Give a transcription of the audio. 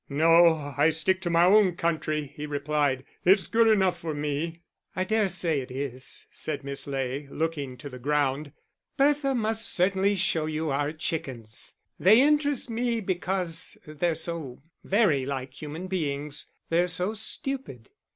"No, I stick to my own country," he replied; "it's good enough for me." "I dare say it is," said Miss Ley, looking to the ground. "Bertha must certainly show you our chickens. They interest me because they're very like human beings they're so stupid."